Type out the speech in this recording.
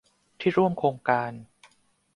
ที่ร่วมโครงการ